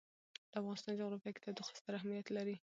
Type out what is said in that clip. د افغانستان جغرافیه کې تودوخه ستر اهمیت لري.